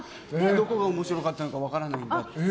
どこが面白かったのか分からないんだって。